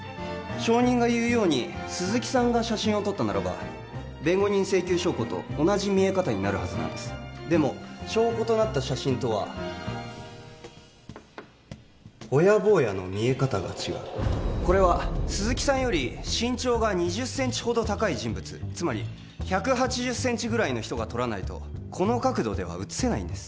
証人が言うように鈴木さんが写真を撮ったならば弁護人請求証拠と同じ見え方になるはずなんですでも証拠となった写真とはホヤぼーやの見え方が違うこれは鈴木さんより身長が２０センチほど高い人物つまり１８０センチぐらいの人が撮らないとこの角度では写せないんです